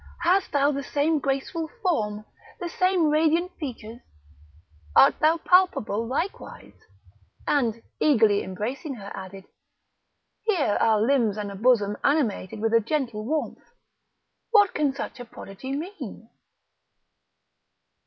hast thou the same graceful form? the same radiant features? art thou palpable likewise?" and, eagerly embracing her, added: "here are limbs and a bosom animated with a gentle warmth! what can such a prodigy mean?"